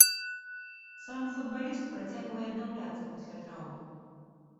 Сам футбаліст працягвае аднаўляцца пасля траўмы.